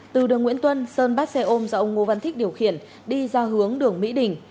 từ đường nguyễn tuân sơn bắt xe ôm do ông ngô văn thích điều khiển đi ra hướng đường mỹ đình